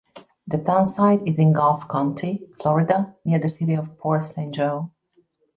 The townsite is in Gulf County, Florida, near the city of Port Saint Joe.